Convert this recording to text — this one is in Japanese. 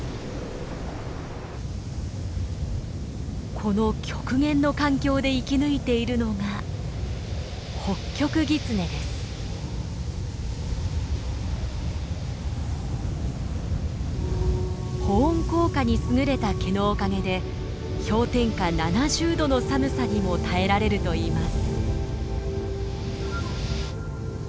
この極限の環境で生き抜いているのが保温効果に優れた毛のおかげで氷点下７０度の寒さにも耐えられるといいます。